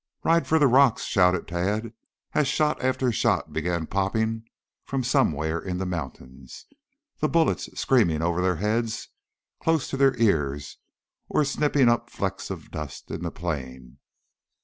"Ride for the rocks!" shouted Tad as shot after shot began popping from somewhere in the mountains, the bullets screaming over their heads close to their ears or snipping up flecks of dust in the plain.